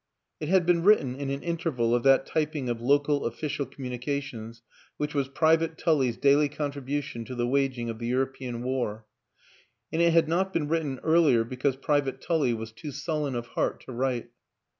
It had been written in an interval of that typing of local official communications which was Private Tully's daily contribution to the waging of the European War; and it had not been written earlier because Private Tully was too sullen of heart to write.